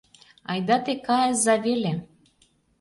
Айда, те кайыза веле.